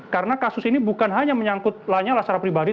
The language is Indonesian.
karena kasus ini bukan hanya menyangkut lanyala secara pribadi